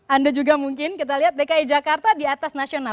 anda juga mungkin kita lihat dki jakarta di atas nasional